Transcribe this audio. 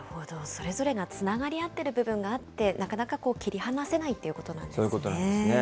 それぞれがつながり合ってる部分があって、なかなか切り離せないということなんですね。